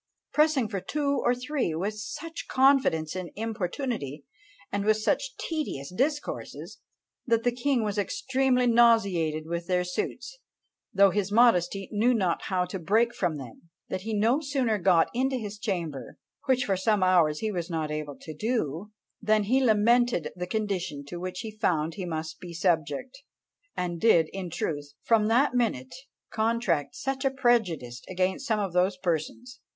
"pressing for two or three with such confidence and importunity, and with such tedious discourses, that the king was extremely nauseated with their suits, though his modesty knew not how to break from them; that he no sooner got into his chamber, which for some hours he was not able to do, than he lamented the condition to which he found he must be subject; and did, in truth, from that minute, contract such a prejudice against some of those persons."